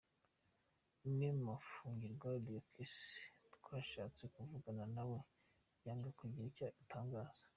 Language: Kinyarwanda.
Umwe mu bafungiwe kiosque twashatse kuvugana na we yanga kugira icyo atangaza.